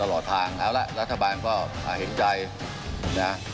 ก็ได้ให้โอกาสตั้งแต่วันแรกแล้ว